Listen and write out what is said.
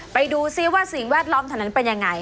ไปดูซิว่าสิ่งแวดล้อมถนนเป็นยังไง